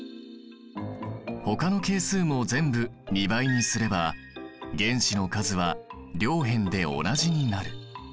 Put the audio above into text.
ほかの係数も全部２倍にすれば原子の数は両辺で同じになる。